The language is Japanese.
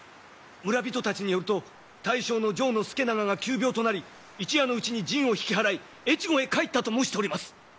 村人たちによると大将の城資長が急病となり一夜のうちに陣を引き払い越後へ帰ったと申しております。